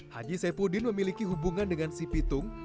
haji saipudin memiliki hubungan dengan si pitung